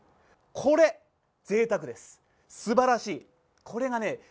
これ、ぜいたくです、すばらしい！